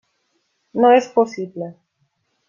No és possible.